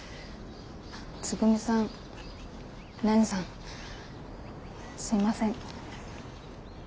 つぐみさん蓮さんすいません。